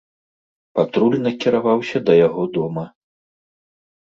Патруль накіраваўся да яго дома.